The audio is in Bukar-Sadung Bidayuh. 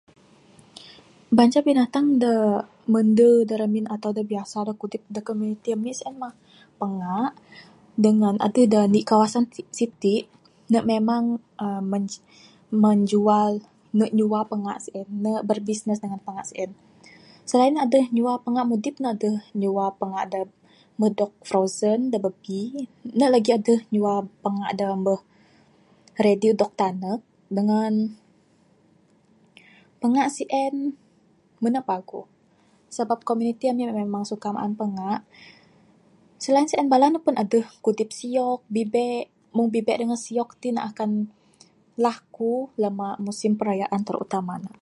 Banca binatang da Mende da ramin ato da biasa da kudip dak komuniti ami sien mah panga'k, dangan adeh da 1 kawasan siti ne memang emm menjual. Ne nyua panga'k sien. Ne berbisnes dangan panga'k sien. Selain adeh nyua panga'k mudip ne adeh nyua panga'k dak meh dog frozen, da babbi, ne lagi adeh nyua panga'k da meh ready dog tanek dangan panga'k sien mene paguh sabab komuniti ami memang suka maan panga'k . Selain sien bala ne pun adeh kudip siok, bibek. Mung bibek dangan siok ti ne akan laku lama musim perayaan terutama ne.